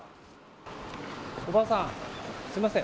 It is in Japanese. おばあさんすみません。